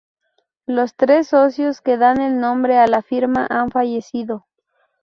Los tres socios que dan el nombre a la firma han fallecido.